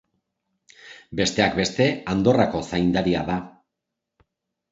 Besteak beste Andorrako zaindaria da.